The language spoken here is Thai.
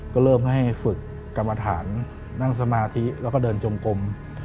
ก็เริ่มให้ฝึกกรรมฐานนั่งสมาธิแล้วก็เดินจงกลม